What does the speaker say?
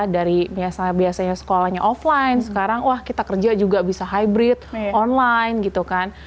dari biasanya sekolahnya offline sekarang wah kita kerja juga bisa hybrid online gitu kan